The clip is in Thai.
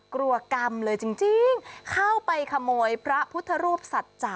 กลัวกรรมเลยจริงเข้าไปขโมยพระพุทธรูปสัจจะ